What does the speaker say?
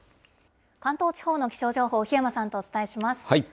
関東地方の気象情報、檜山さんとお伝えします。